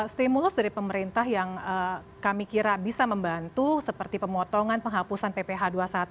stimulus dari pemerintah yang kami kira bisa membantu seperti pemotongan penghapusan pph dua puluh satu